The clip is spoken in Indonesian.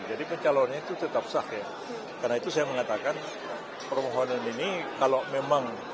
jadi kecalonnya itu tetap sakit karena itu saya mengatakan promohonan ini kalau memang